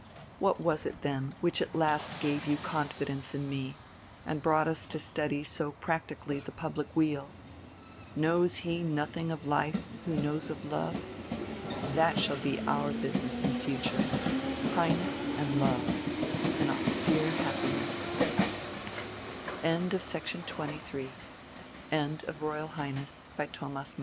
What was it, then, which at last gave you confidence in me, and brought us to study so practically the public weal? Knows he nothing of life who knows of love? That shall be our business in future: Highness and Love an austere happiness." [ Transcriber's Note: The following is a list of corrections made to